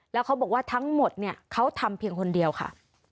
แล้วเขาบอกว่าทั้งหมดเนี่ยเขาทำเพียงคนเดียวค่ะ